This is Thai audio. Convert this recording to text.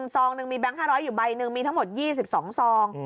ซองนึงมีแบงค์ห้าร้อยอยู่ใบนึงมีทั้งหมดยี่สิบสองซอง